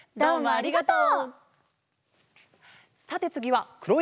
ありがとう。